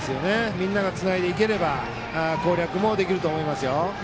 みんながつないでいけば攻略もできると思いますよ。